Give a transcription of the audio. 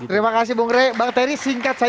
terima kasih bung rey bang terry singkat